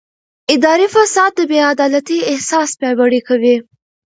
اداري فساد د بې عدالتۍ احساس پیاوړی کوي